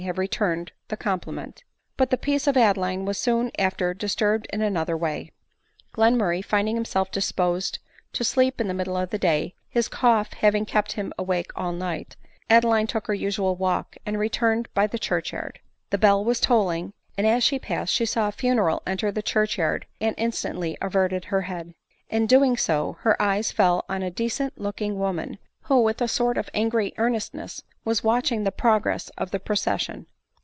have returned the compliment. But the peace of Adeline was soon after disturbed in another way. Glenmurray finding himself disposed to sleep in the middle of the day, his cough having "kept him waking all night, Adeline took tier usual walk, and returne<f\by the church yard. The bell was tolling ; and as she passed she saw a funeral enter the church yard, and instantly averted her head. In so doing her eyes fell on a decent looking woman, who with a sort of angry earnestness was watching the progress of the procession.